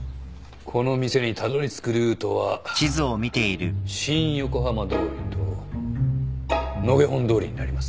この店にたどりつくルートは新横浜通りと野毛本通りになります。